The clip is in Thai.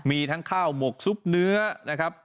มีทั้งข้าวหมกซุปเนื้อนะครับ